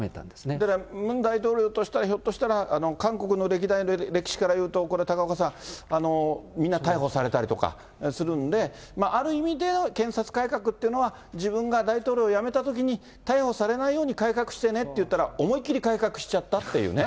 だから、ムン大統領としたら、ひょっとしたら韓国の歴代、歴史からいうと、これ、高岡さん、みんな逮捕されたりとかするんで、ある意味で検察改革っていうのは、自分が大統領を辞めたときに、逮捕されないように改革してねっていったら、思い切り改革しちゃったっていうね。